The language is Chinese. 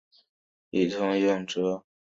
以应图谶。